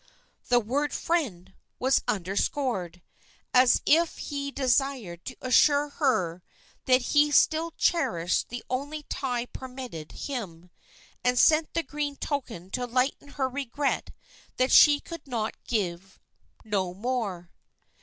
The word "friend" was underscored, as if he desired to assure her that he still cherished the only tie permitted him, and sent the green token to lighten her regret that she could give no more.